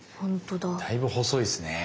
だいぶ細いっすね。